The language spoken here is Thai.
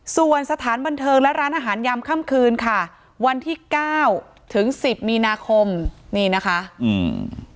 ส่วนสถานบันเทิงและร้านอาหารยามค่ำคืนค่ะวันที่เก้าถึงสิบมีนาคมนี่นะคะอืม